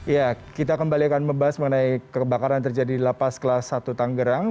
ya kita kembali akan membahas mengenai kebakaran terjadi di lapas kelas satu tanggerang